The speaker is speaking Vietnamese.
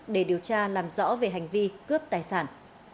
để điều tra làm rõ về hành vi cướp tài sản